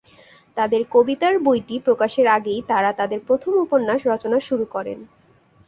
তাদের কবিতার বইটি প্রকাশের আগেই তারা তাদের প্রথম উপন্যাস রচনা শুরু করেন।